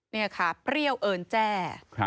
เนี่ยครับเปรี้ยวเอิญแจ